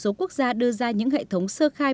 và có một số quốc gia đưa ra những hệ thống sơ khai